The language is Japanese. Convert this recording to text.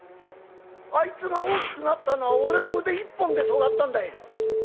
あいつが大きくなったのは俺の腕一本で育ったんだい。